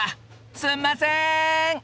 すんません！